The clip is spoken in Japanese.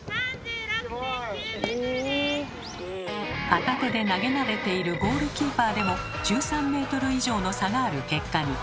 片手で投げ慣れているゴールキーパーでも１３ｍ以上の差がある結果に。